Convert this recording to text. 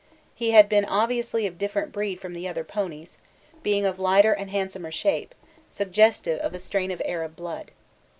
He had been obviously of different breed from the other ponies, being of lighter and handsomer shape, suggestive of a strain of Arab blood.